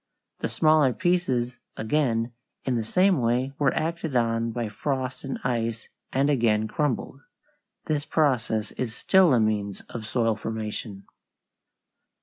The smaller pieces again, in the same way, were acted on by frost and ice and again crumbled. This process is still a means of soil formation.